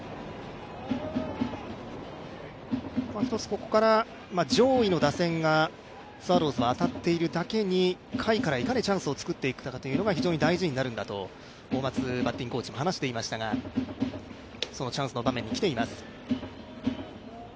ここから上位の打線がスワローズは当たっているだけに、下位からいかにチャンスをつくっていくかが大事になるんだと大松バッティングコーチが話していましたが、そのチャンスの場面に来ています。